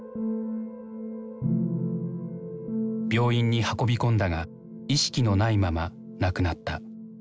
病院に運び込んだが意識のないまま亡くなった。